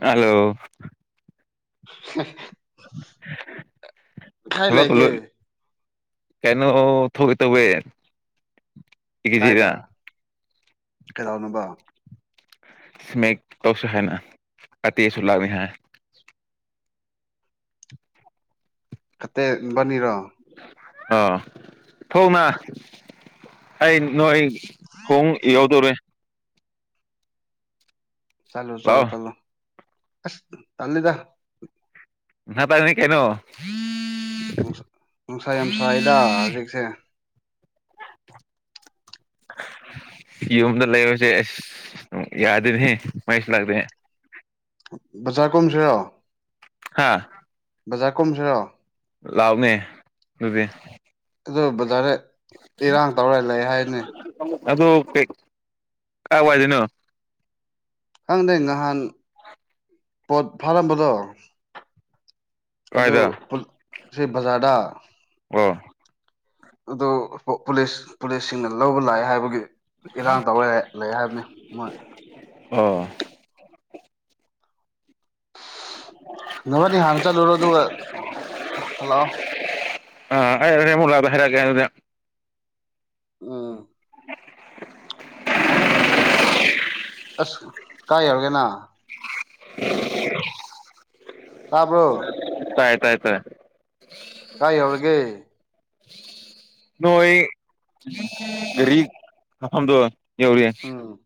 hello inaudible inaudible ꯈꯥꯏ ꯂꯩꯒꯦ ꯀꯩꯅꯣ ꯊꯣꯛꯇꯧꯋꯦ ꯀꯦꯖꯤꯗ ꯀꯩꯗꯧꯅꯕ ꯁꯤꯃꯦꯛ ꯇꯧꯁꯦ ꯍꯥꯏꯅ ꯑꯇꯦꯁꯨ ꯂꯥꯛꯅꯤ ꯍꯥꯏ ꯀꯠꯇꯦꯕꯅꯤꯔꯣ ꯑ ꯐꯧꯅ ꯑꯩ ꯅꯣꯏ ꯍꯣꯡ ꯌꯣꯗꯣꯔꯦ ꯆꯂꯣ ꯆꯂꯣ ꯂꯥꯛꯑꯣ ꯆꯂꯣ ꯑꯁ ꯇꯜꯂꯤꯗ ꯅꯕꯥꯅꯤ ꯀꯩꯅꯣ ꯅꯨꯡꯁꯥ ꯅꯨꯡꯁꯥ ꯌꯥꯝ ꯁꯥꯌꯦꯗ ꯍꯧꯖꯤꯛꯁꯦ ꯑꯟꯑꯣꯗꯤꯕꯜ ꯌꯨꯝꯗ ꯂꯩꯕꯁꯦ ꯑꯩꯁ ꯌꯥꯗꯅꯦꯍꯦ ꯃꯩꯁꯨ ꯂꯥꯛꯇꯦ ꯕꯖꯤꯔ ꯀꯝꯗꯔꯤꯑꯣ ꯍꯥꯥ ꯕꯖꯥꯔ ꯀꯨꯝꯁꯤꯔꯣ ꯂꯥꯎꯅꯦ ꯑꯗꯨꯗꯤ ꯑꯗꯨ ꯕꯖꯥꯔꯗ ꯏꯔꯥꯡ ꯇꯧꯔ ꯂꯩ ꯍꯥꯏꯅꯦ ꯑꯗꯨ ꯀꯩꯞꯀꯥꯏ ꯋꯥꯏꯗꯣꯏꯅꯣ ꯈꯪꯗꯦ ꯅꯍꯥꯟ ꯑꯟꯑꯣꯗꯤꯕꯜ ꯄꯣꯠ ꯐꯥꯔꯝꯕꯗꯣ ꯑꯗꯨ ꯀꯥꯏꯗ ꯁꯤ ꯕꯖꯥꯔꯗꯥ ꯑꯝ ꯑꯗꯨ ꯄꯨ ꯄꯨꯂꯤꯁꯁꯤꯡꯅ ꯂꯧꯕ ꯂꯥꯛꯑꯦ ꯍꯥꯏꯕꯒꯤ ꯏꯔꯥꯡ ꯇꯧꯋꯦ ꯂꯩ ꯍꯥꯏꯕꯅꯤ ꯃꯣꯏ ꯑ ꯅꯕꯗꯤ ꯍꯥꯟꯅ ꯆꯠꯂꯨꯔꯣ ꯑꯗꯨꯒ ꯍꯜꯂꯥꯛꯑꯣ ꯑꯟꯏꯟꯇꯦꯜꯂꯤꯖꯦꯕꯜ ꯎꯝ [unintelligible] ꯀꯥ ꯌꯧꯎꯒꯦꯅ [inaudible] ꯇꯥꯕ꯭ꯔꯣ ꯥꯏ ꯇꯥꯏ ꯇ ꯀꯥꯏ ꯌꯎꯔꯒꯦ ꯅꯣꯏꯐꯝꯗ ꯌꯎꯔꯤ ꯌꯥ ꯎꯝ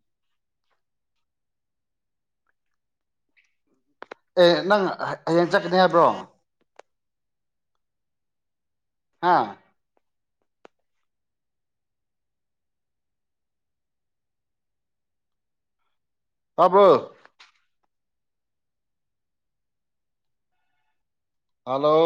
ꯑꯦ ꯅꯪ ꯍꯌꯦꯡ ꯆꯠꯀꯅꯤ ꯍꯥꯏꯕ꯭ꯔꯣ ꯑꯥ ꯇꯥꯕ ꯍꯜꯂꯣ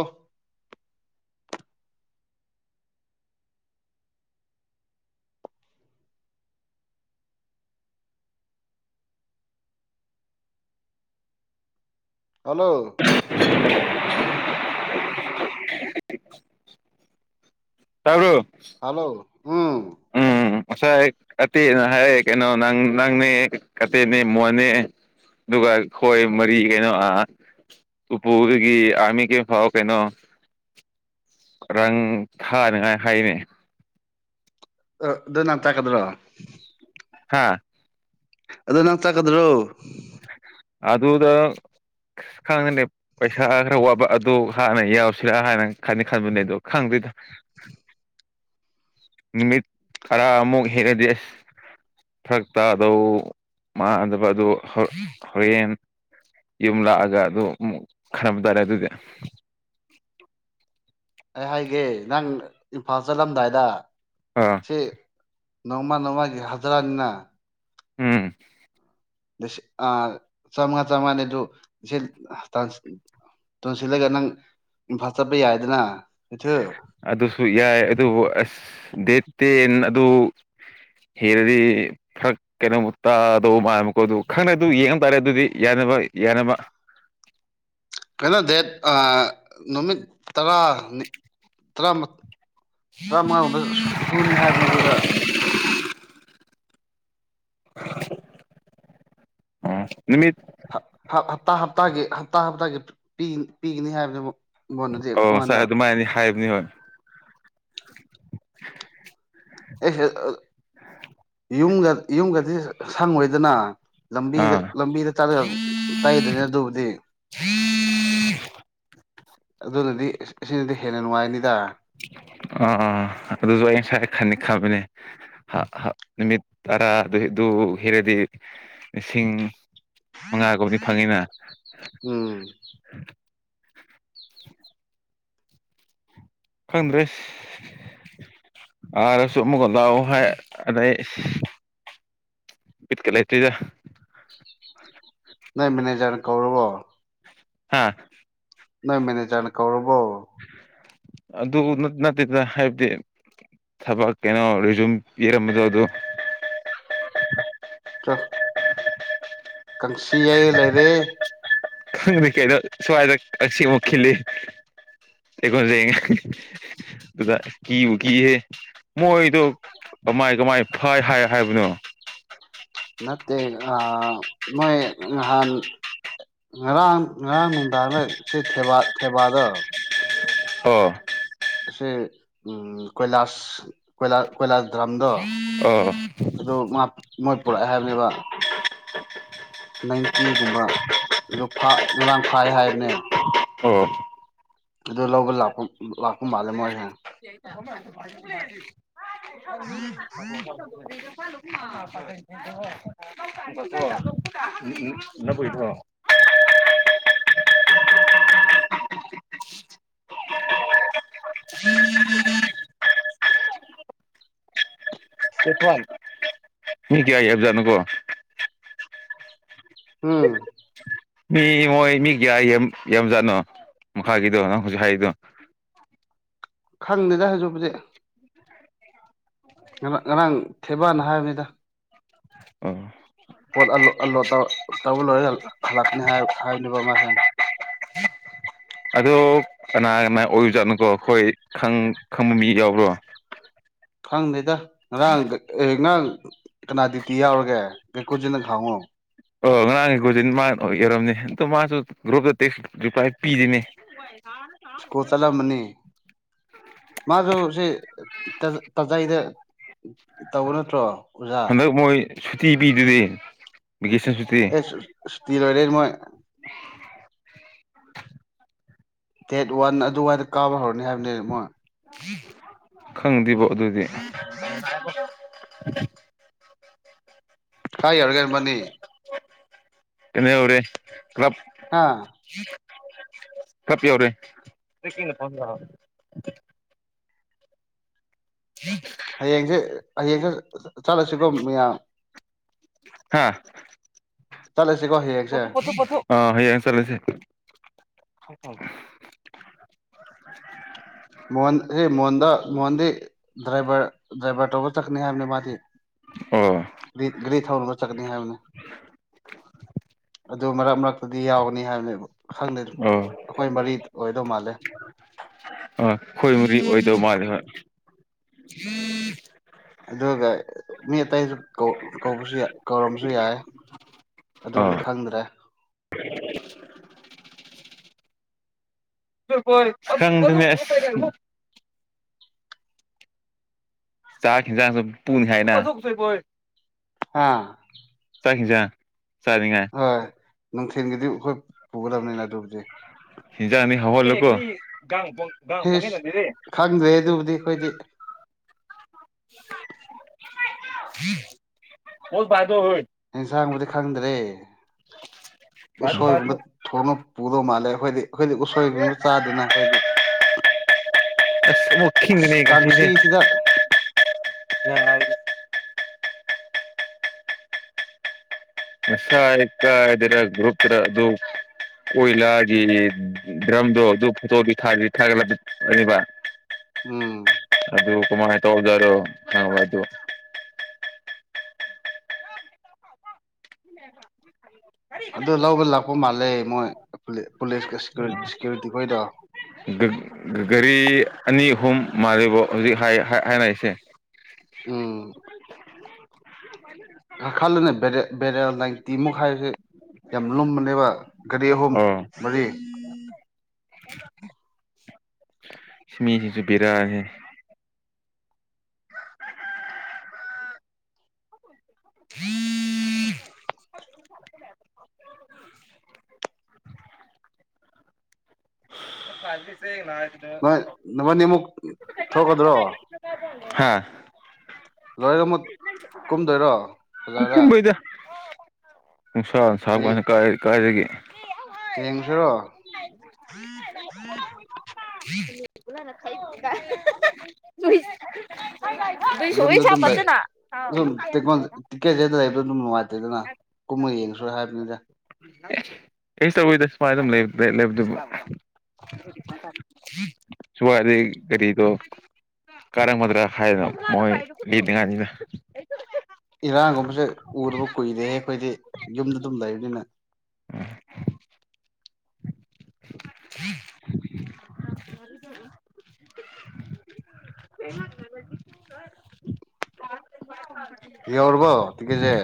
ꯍꯜꯂꯣ ꯇꯪꯨ ꯍꯜꯂꯣ [inaudible] ꯉꯁꯥꯏ ꯀꯇꯦꯅ ꯍꯥꯏ ꯀꯩꯅꯣ ꯅꯪ ꯅꯪꯅꯦ ꯀꯇꯦꯅꯦ ꯃꯣꯟꯅꯦ ꯑꯗꯨꯒ ꯈꯣꯏ ꯃꯔꯤ ꯀꯩꯅꯣ ꯎꯄꯨꯒꯤ ꯑꯥꯔꯃꯤ ꯀꯩ ꯐꯥꯎ ꯀꯩꯅꯣ ꯔꯪ ꯊꯥꯅꯤꯉꯥꯏ ꯍꯥꯏꯅꯦ ꯑ ꯑꯗꯨ ꯅꯍꯥꯟ ꯇꯥꯛꯀꯗ꯭ꯔꯣ ꯍꯥꯥ ꯑꯗꯣ ꯅꯪ ꯆꯀꯗ꯭ꯔꯣ ꯑꯗꯨ ꯑꯗꯨꯗ ꯈꯪꯉꯅꯦ ꯄꯩꯁꯥ ꯈꯔ ꯋꯥꯕ ꯑꯗꯨ ꯍꯥꯟꯅ ꯌꯥꯎꯁꯤꯔꯥ ꯍꯥꯟꯅ ꯈꯅꯤ ꯈꯟꯕꯅꯦ ꯑꯗꯣ ꯈꯪꯗ ꯀꯗ [inaudible] ꯅꯨꯃꯤꯠ ꯇꯔꯥ ꯑꯃꯨꯛ ꯍꯦꯔꯗꯤꯁ ꯐꯔꯛ ꯇꯥꯗꯧ ꯃꯥꯟꯅꯗꯕ ꯑꯗꯨ ꯍꯣꯔꯦꯟ ꯌꯨꯝ ꯂꯥꯛꯑꯒ ꯑꯗꯨꯝ ꯈꯟꯅꯕ ꯇꯥꯔꯦ ꯑꯗꯨꯗꯤ [unintelligible] ꯑꯩ ꯍꯥꯏꯒꯦ ꯅꯪ ꯏꯝꯐꯥꯜ ꯆꯠꯂꯝꯗꯥꯏꯗ ꯑꯥ ꯁꯤ ꯅꯣꯡꯃ ꯅꯣꯡꯃꯒꯤ ꯍꯖ꯭ꯔꯥꯅꯤꯅ ꯎꯝ ꯑ ꯆꯥꯝꯃꯉꯥ ꯆꯥꯃꯉꯥꯅꯤ ꯑꯗꯨ ꯇꯣꯟꯁꯤꯜꯂꯒ ꯅꯪ ꯏꯝꯐꯥꯜ ꯆꯠꯄ ꯌꯥꯏꯗꯅ ꯀꯩꯅꯣ ꯑꯗꯨꯁꯨ ꯌꯥꯏ ꯑꯗꯨꯕꯨ ꯑꯁ ꯗꯦ ꯇꯦꯟ ꯑꯗꯨ ꯍꯦꯔꯗꯤ ꯐꯔꯛ ꯀꯩꯅꯣꯃꯨ ꯇꯥꯗꯧꯕ ꯃꯥꯜꯀꯣ ꯑꯗꯨ ꯈꯪꯅ ꯑꯗꯨ ꯌꯦꯡꯉ ꯇꯥꯔꯦ ꯑꯗꯨꯗꯤ ꯌꯥꯅꯤ ꯌꯦꯅꯃ [inaudible] ꯀꯩꯅꯣ ꯗꯦꯠ ꯅꯨꯃꯤꯠ ꯇꯔꯥ ꯇꯔꯥ ꯇꯔꯥꯃꯉꯥꯒꯨꯝꯕ ꯁꯨꯅꯤ ꯍꯥꯏꯕꯅꯤ ꯑꯗꯨꯗ ꯎꯝ ꯍꯞꯇꯥ ꯍꯞꯇꯥꯒꯤ ꯍꯞꯇꯥ ꯍꯞꯇꯥꯒꯤ ꯄꯤꯒꯅꯤ ꯍꯥꯏꯕꯗꯨ ꯑꯃ ꯑ ꯉꯥꯏ ꯑꯗꯨꯃꯥꯏꯅꯤ ꯍꯥꯏꯕꯅꯤ ꯍꯣꯏ [inaudible] ꯑꯦ ꯌ ꯌꯨꯝꯒꯗꯤ ꯁꯪꯉꯣꯏꯗꯅ ꯂꯝꯕꯤꯗ ꯑꯥ ꯂꯝꯕꯤꯗ ꯇꯥꯏꯗꯅꯦ ꯑꯗꯨꯕꯨꯗꯤ ꯑꯗꯨꯅꯗꯤ ꯑꯁꯤꯅꯗꯤ ꯍꯦꯟꯅ ꯅꯨꯡꯉꯥꯏꯅꯤꯗ ꯑꯥ ꯑꯗꯨꯁꯨ ꯑꯩ ꯉꯁꯥꯏ ꯈꯅꯤ ꯈꯕꯅꯦ ꯅꯨꯃꯤꯠ ꯇꯔꯥꯗꯨ ꯑꯗꯨ ꯍꯔꯗꯤ ꯏꯁꯤꯡ ꯃꯉꯥꯒꯨꯝꯕꯗꯤ ꯐꯪꯉꯤꯅ ꯎꯝ ꯈꯪꯗ꯭ꯔꯦ ꯑꯁꯨ ꯃꯒꯗꯥ ꯍꯥꯏꯥꯏ ꯑꯗꯩ ꯠꯀꯂ ꯏꯇꯗ ꯅꯣꯏ ꯃꯦꯅꯦꯖꯔ ꯀꯧꯔꯕꯔꯕꯣ ꯍꯥꯥ ꯅꯣꯏ ꯃꯦꯅꯦꯖꯔ ꯀꯧꯔꯕꯣ ꯑꯗꯨ ꯑꯗꯨ ꯅ ꯅꯠꯇꯗ ꯍꯥꯏꯕꯗꯤ ꯊꯕꯛ ꯀꯩꯅꯣ ꯔꯤꯖꯨꯝ ꯄꯤꯔꯝꯕꯗꯣ ꯑꯗꯨ ꯑ ꯀꯪꯁꯤꯌꯦ ꯂꯩꯔꯦ ꯀꯩꯅꯣ ꯁ꯭ꯋꯥꯗ ꯑꯁꯤ ꯃꯨꯈꯤꯤ ꯂꯩ ꯑꯩꯀꯣꯣꯟꯁ ꯑꯗꯨꯗ ꯀꯤꯕꯨ ꯀꯤꯍꯦ ꯃꯣꯏꯗꯣ ꯀꯃꯥꯏ ꯀꯃꯥꯏ ꯐꯩ ꯍꯥꯏ ꯍꯥꯏꯕꯅꯣ ꯅꯦ ꯑ ꯃꯣꯏ ꯍꯍꯥꯟ ꯉꯔꯥꯡ ꯉꯔꯥꯡ ꯅꯨꯡꯗꯥꯡꯔ ꯁꯤ ꯊꯦꯕꯥꯗꯣ ꯑ ꯁꯤ ꯎ ꯀꯣꯏꯂꯥꯁ ꯀꯣꯏ ꯀꯣꯏꯂꯥꯁ ꯗ꯭ꯔꯝꯗꯣ ꯑꯣ ꯑꯗꯨ ꯃꯣꯏ ꯄꯨꯔꯛꯑꯦ ꯍꯥꯏꯕꯅꯦꯕ ꯅꯥꯏꯟꯇꯤꯒꯨꯝꯕ ꯑꯗꯨ ꯉꯔꯥꯡ ꯐꯥꯏ ꯍꯥꯏꯕꯅꯦ ꯑꯣ ꯑꯗꯨ ꯂꯧꯕ ꯂꯥꯛꯄ ꯂꯥꯛꯄ ꯃꯥꯜꯂꯦ ꯃꯣꯏꯁꯦ [unintelligible] ꯍ ꯐ ꯅꯕꯨꯊ꯭ꯔꯣ ꯎꯝ ꯃꯤ ꯀꯏ ꯍꯥꯏꯕꯖꯅꯨꯀꯣ ꯑꯝ ꯃꯤ ꯃꯣꯏ ꯃꯤ ꯀꯌꯥ ꯌꯥꯝꯖꯥꯠꯅꯣ ꯃꯈꯥꯒꯤꯗꯣ ꯅꯪ ꯍꯧꯖꯤꯁꯨ ꯍꯥꯏꯔꯤꯗꯣ ꯈꯪꯗꯦꯗ ꯍꯧꯁꯨꯛꯕꯁꯛ ꯉꯥꯡ ꯉꯔꯥꯡ ꯊꯦꯕꯥꯅ ꯍꯥꯏꯅꯤꯗ ꯑꯣ ꯄꯣꯠꯂ ꯇ ꯂꯣꯏꯔ ꯍꯜꯂꯛꯀꯅꯤ ꯍꯥꯏꯕꯅꯦꯕ ꯃꯥꯁꯦ ꯑꯗꯣ ꯀꯅꯥ ꯑꯅꯥ ꯑꯣꯏꯔꯨꯖꯥꯠꯅꯨꯀꯣ ꯑꯩꯈꯣꯏ ꯈꯪꯕ ꯃꯤ ꯌꯥꯎꯕ꯭ꯔꯣ ꯈꯪꯗꯦꯗ ꯉꯔꯥꯡ ꯑꯦ ꯉꯔꯥꯡ ꯀꯅꯥ ꯗꯌꯇꯤ ꯌꯥꯎꯔꯒꯦ ꯑꯩꯀꯖꯤꯅ ꯈꯥꯎ ꯑꯣ ꯉꯔꯥꯡꯒꯤꯀꯣꯖꯤ ꯃꯥꯅ ꯏꯔꯝꯅꯤ ꯑꯗꯣ ꯃꯥꯁꯨ ꯒ꯭ꯔꯨꯞꯇ ꯇꯦꯛꯁ ꯨꯄꯥꯏ ꯄꯤꯔꯤꯅꯦ ꯁ꯭ꯀꯨꯜ ꯆꯠꯂꯝꯃꯅꯤ ꯋꯥꯔꯤ ꯃꯥꯁꯨ ꯁꯤ ꯇꯖꯩꯗ ꯇꯧꯕ ꯅꯠꯇ꯭ꯔꯣ ꯍꯟꯗꯛ ꯃꯣꯏ ꯁꯨꯇꯤ ꯄꯤꯗꯨꯗꯤ ꯚꯦꯀꯦꯁꯟ ꯁꯨꯇꯤ ꯑꯦ ꯏꯁꯇꯤꯜ ꯑꯣꯏꯔ ꯃꯣꯏ [inaudible] ꯗꯦꯠ ꯋꯥꯟ ꯑꯗꯨꯋꯥꯏꯗ ꯀꯥꯕ ꯍꯧꯔꯅꯤ ꯍꯥꯏꯕꯅꯤ ꯃꯣꯏ ꯈꯪꯗꯦꯕꯣ ꯑꯗꯨꯗꯤ ꯍꯥꯏ ꯌꯥꯔꯒꯔꯃꯅꯤ ꯀꯩꯅ ꯑꯣꯏꯔꯦ ꯀ꯭ꯂꯕ ꯍꯥ ꯀꯄꯤ ꯑꯣꯏꯔꯦꯅ ꯄ ꯊꯦꯡꯌꯨ ꯍꯌꯦꯡꯁꯦ ꯍꯌꯦꯡꯁꯦ ꯆꯠꯂꯁꯤꯀꯣ ꯃꯌꯥꯝ ꯍꯥꯥ ꯆꯂꯦ ꯄꯊ ꯄꯊ ꯄꯊ ꯑ ꯍꯌꯦ ꯌꯥ ꯆꯁꯦ ꯍ ꯃꯣꯟ ꯃꯣꯍꯟꯗ ꯃꯣꯍꯟꯗ ꯗ꯭ꯔꯕꯔ ꯗ꯭ꯔꯕꯔ ꯇꯣꯕ ꯇꯛꯅꯤ ꯍꯥꯏꯅꯤ ꯃꯥꯊ ꯑꯣ ꯔꯤ ꯔꯤ ꯊ ꯍꯔꯗ ꯆꯅꯤ ꯍꯥꯏ ꯑꯗꯨ ꯃꯔꯛ ꯃꯔꯛꯇꯗꯤ ꯌꯥꯎꯒꯅꯤ ꯍꯥꯏꯕꯅꯤ ꯈꯪꯗꯦ ꯑꯣ ꯑꯩꯈꯣꯏ ꯃꯔꯤ ꯑꯣꯏꯗꯧ ꯃꯥꯜꯂꯦ ꯑ ꯈꯣꯏ ꯃꯔꯤ ꯑꯣꯏꯗꯧ ꯃꯥꯂꯦ ꯍꯣꯏ ꯑꯗꯨꯒ ꯃꯤ ꯑꯇꯩꯁꯨ ꯀꯧꯕꯁꯨ ꯀꯧꯔꯁꯨ ꯌꯥꯏ ꯑꯗꯨꯕꯨꯗꯤ ꯈꯪꯗ꯭ꯔꯦ ꯪꯃꯦ ꯆꯥꯛ ꯌꯦꯟꯖꯥꯡꯁꯨ ꯄꯨꯅꯤ ꯍꯥꯏꯅ ꯑꯥ ꯇꯈꯤꯆꯥ ꯍꯣꯏ ꯅꯨꯡꯊꯤꯜꯒꯤꯗꯤ ꯑꯩꯈꯣꯏ ꯄꯨꯒꯗꯕꯅꯤꯅ ꯑꯗꯨꯕꯨꯗꯤ ꯍꯖꯥ ꯑ ꯍꯍ ꯂꯀꯣ ꯥꯡ ꯐ ꯥꯡ ꯐꯉꯦ ꯍꯦꯁ ꯅꯗꯤꯔꯦ ꯈꯪꯗ꯭ꯔꯦ ꯑꯗꯨꯕꯨꯗꯤ ꯑꯩꯈꯣꯏꯗꯤ ꯍ ꯑꯦꯟꯁꯥꯡꯕꯨꯗꯤ ꯈꯪꯗ꯭ꯔꯦ ꯎꯁꯣꯏꯒꯨꯝꯕ ꯊꯣꯡꯅ ꯄꯨꯗꯧ ꯃꯥꯜꯂꯦ ꯑꯩꯈꯣꯏꯗꯤ ꯑꯩꯈꯣꯏꯗꯤ ꯎꯁꯣꯏꯗꯨꯁꯨ ꯆꯥꯗꯦꯅ ꯑꯩꯈꯣꯏꯗꯤ ꯑ ꯑꯁ ꯃꯈꯤꯅꯅꯦ ꯀꯁꯤꯗꯤ ꯀꯥꯡꯁꯤꯁꯤꯗ ꯑꯁ ꯀꯗꯔ ꯒ꯭ꯔꯨꯞꯛꯇ꯭ꯔ ꯑꯗꯨ ꯑꯣꯏꯂꯛꯑꯒꯤ ꯗ꯭ꯔꯝꯗꯣ ꯑꯗꯨ ꯐꯣꯇꯣ ꯊ ꯊꯥꯒꯠꯂꯂꯅꯤꯕ ꯎꯝ ꯑꯗꯨ ꯀꯃꯥꯏꯅ ꯇꯧꯗꯔꯣ ꯍ ꯑꯗꯨ [inaudible] ꯑꯗꯨ ꯂꯒ ꯂꯥꯛꯄꯧ ꯃꯥꯜꯂꯦ ꯃꯣꯏ ꯄꯨꯂꯤꯁꯀ ꯁꯦꯀ꯭ꯌꯨꯔꯤꯇꯤ ꯈꯣꯏꯗꯣ ꯒꯔꯤ ꯑꯅꯤ ꯑꯍꯨꯝ ꯃꯥꯜꯂꯤꯔꯤꯕꯣ ꯍꯧꯖꯤꯛ ꯍꯥꯏꯅꯔꯤꯁꯦ ꯑ ꯈꯜꯗꯅꯦ ꯕꯦꯔꯦꯜ ꯅꯥꯏꯟꯇꯤꯃꯨꯛ ꯍꯥꯏꯔꯒꯦ ꯌꯥꯝ ꯂꯨꯝꯕꯅꯦꯕ ꯒꯥꯔꯤ ꯑꯍꯨꯝ ꯑꯣ ꯃꯔꯤ ꯁꯤꯃꯤꯁꯤꯁꯨ ꯄꯕꯤꯔ ꯍꯥꯏꯦ ꯎꯝ [unintelligible] ꯅꯣꯏ ꯅꯕꯥꯅꯤꯃꯨꯛ ꯊꯣꯛꯀꯗ꯭ꯔꯣ ꯐꯁ ꯂꯣꯏꯒ ꯀꯨꯝꯗꯣꯏꯔꯣ ꯕꯖꯥꯔꯗ ꯀꯀꯨꯝꯕ ꯏꯗ ꯅꯨꯡꯁꯥ ꯁꯥꯕ ꯀꯅ ꯀꯥꯏ ꯀꯥꯏꯗꯒꯤꯦ ꯁꯣ ꯎ ꯇꯁ ꯌꯨꯝꯗ ꯩꯁꯨꯣꯏꯁ ꯑꯗꯨꯝ ꯂꯩ ꯄꯠꯇꯅ ꯁꯨꯝ ꯇꯦꯛ ꯇꯤꯛꯀꯦꯠꯁꯦ ꯂꯩꯕꯗꯣ ꯑꯗꯨꯝ ꯅꯨꯡꯉꯥꯏꯇꯦꯗꯅ ꯀꯨꯝꯃ ꯌꯦꯡꯉ ꯁ ꯍꯥꯏꯕꯅꯤꯗ ꯑꯩ ꯇꯧꯋꯤꯗ ꯁꯨꯃꯥꯏꯅ ꯑꯗꯨꯝ ꯂꯩꯕꯗꯨꯕ ꯁꯋꯥ ꯑꯗꯨꯦ ꯀꯔꯤꯗ ꯀꯔꯛ ꯃꯗ꯭ꯔ ꯍꯥꯏꯥꯏꯗꯅ ꯃꯣꯏ ꯂꯤꯇꯉꯥꯏꯁꯤꯗ ꯏꯔꯥꯡꯒꯨꯝꯕꯁꯦ ꯎꯗꯕꯨ ꯀꯨꯏꯔꯦꯍꯦ ꯑꯩꯈꯣꯏꯗꯤ ꯌꯨꯝꯗ ꯑꯗꯨꯝ ꯂꯩꯕꯅꯤꯅ [inaudible] ꯏ ꯑꯣꯏꯔꯕꯣ ꯇꯦꯁꯦ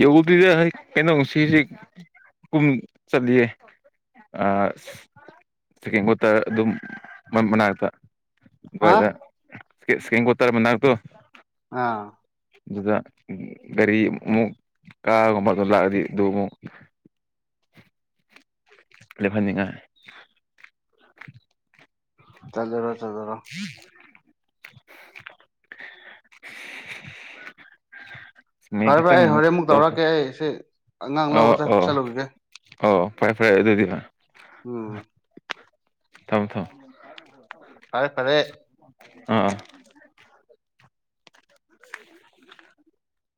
ꯌꯒꯗꯨꯗꯤ ꯀꯩꯅꯣ ꯁꯤꯁꯤ ꯀꯨꯝ ꯆꯠꯂꯤꯌꯦ ꯑꯠꯇ ꯑꯗꯨꯝ ꯃꯅꯥꯛꯇ ꯍꯥ ꯣꯏꯗ ꯁꯀꯦ ꯀꯠꯇꯔ ꯃꯅꯥꯛ ꯇꯨ ꯑꯥ ꯑꯗꯨꯗ ꯒꯥꯔꯤ ꯑꯃꯨꯛ ꯀꯥꯒꯨꯝꯕ ꯑꯗꯨꯝ ꯂꯥꯛꯑꯗꯤ ꯑꯗꯨ ꯑꯃꯨꯛ [unintelligible] ꯂ ꯐꯅꯤꯡꯉ ꯆꯗꯔꯣ ꯆꯂꯔꯣ ꯐꯔꯦ ꯐꯔꯦ ꯒꯦꯇꯪ ꯑꯩ ꯍꯣꯔꯦꯟ ꯑꯃꯨꯛ ꯇ ꯇꯧꯔꯛꯀꯦ ꯑꯩ ꯁꯤ ꯑꯉꯥꯡ ꯂꯧꯕ ꯑꯣ ꯑꯣ ꯆꯠꯂꯨꯈꯤꯒꯦ ꯑꯣ ꯐꯔꯦ ꯐꯔꯦ ꯑꯗꯨꯗꯤꯕ ꯎꯝ ꯊꯥꯎ ꯊꯥꯎ ꯐꯔꯦ ꯐꯔꯦ ꯑꯥ ꯑ [unintelligible]